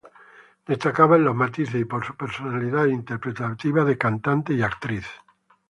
Destacaba en los matices y por su personalidad interpretativa de cantante y actriz.